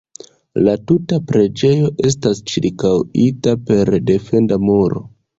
La tuta preĝejo estas ĉirkaŭita per defenda muro.